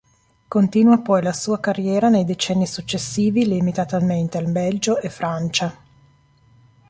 Continua poi la sua carriera nei decenni successivi limitatamente al Belgio e Francia.